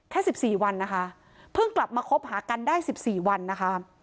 แค่๑๔วันนะคะเพิ่งกลับมาคบหากันได้๑๔วันนะคะ